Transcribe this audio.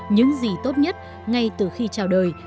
những gì tốt nhất ngay từ khi trào đời